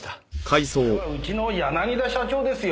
これはうちの柳田社長ですよ。